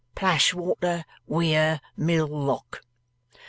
'Plashwater Weir Mill Lock.